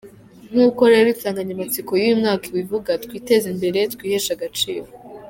Nk’uko rero insanganyamatsiko y’uyu mwaka ibivuga "Twiteze imbere twiheshe agaciro".